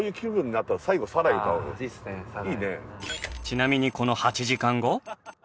ちなみにこの８時間後。